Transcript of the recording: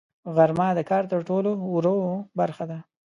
غرمه د کار تر ټولو وروه برخه ده